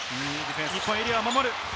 日本、エリアを守る。